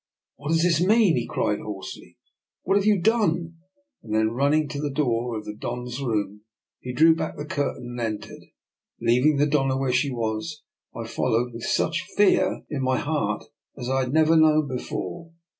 " What does this mean? " he cried hoarse ly. " What have you done? " Then run ning to the door of the Don's room, he drew back the curtain and entered. Leaving the Doiia where she was, I followed with such fear 1^8 DR. NIKOLA'S EXPERIMENT. in my heart as I had never known before.